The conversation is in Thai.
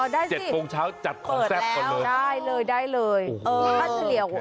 อ๋อได้สิเปิดแล้วได้เลยได้เลยค่าเทลียว